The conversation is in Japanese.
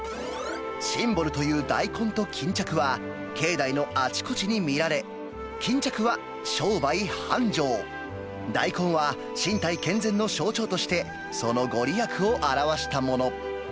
シンボルという大根と巾着は、境内のあちこちに見られ、巾着は商売繁盛、大根は身体健全の象徴として、その御利益を表したもの。